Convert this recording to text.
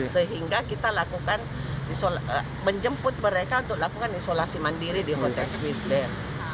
sehingga kita menjemput mereka untuk lakukan isolasi mandiri di hotel swiss band